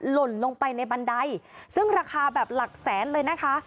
หล่นลงไปในบันไดซึ่งราคาแบบหลักแสนเลยนะคะ